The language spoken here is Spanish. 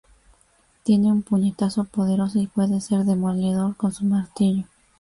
Tiene un puñetazo poderoso y puede ser demoledor con su martillo.